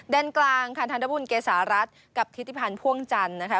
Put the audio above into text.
ด้านกลางค่ะธนบุญเกษารัฐกับธิติพันธ์พ่วงจันทร์นะคะ